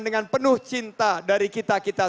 dengan penuh cinta dari kita kita